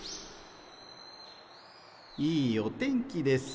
いいお天気です。